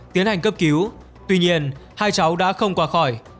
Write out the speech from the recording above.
tiến hành cấp cứu tuy nhiên hai cháu đã không qua khỏi